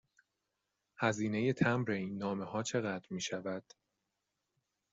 هزینه مبر این نامه ها چقدر می شود؟